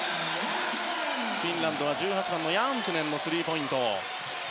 フィンランド１８番のヤントゥネンのスリーポイント。